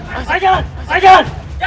masa jalan masa jalan